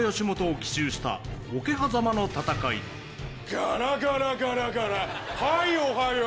ガラガラガラガラはいおはよう！